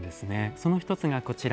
その１つがこちら。